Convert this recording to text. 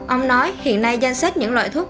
ông nói hiện nay danh sách những loại thuốc